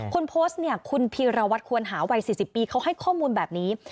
คนโพสต์เนี่ยคุณพีรวัตรควรหาวัย๔๐ปีเขาให้ข้อมูลแบบนี้